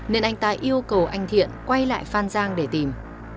nên anh ta yêu cầu anh thiện quay lại phan giang để tìm